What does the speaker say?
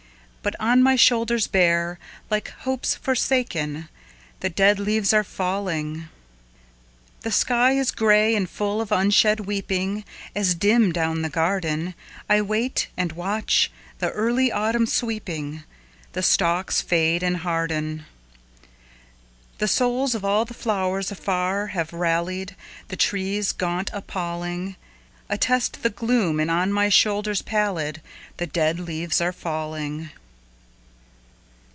But on my shoulders bare, like hopes forsaken, The dead leaves are falling. The sky is gray and full of unshed weepingAs dim down the gardenI wait and watch the early autumn sweeping. The stalks fade and harden. The souls of all the flowers afar have rallied. The trees, gaunt, appalling, Attest the gloom, and on my shoulders pallidThe dead leaves are falling.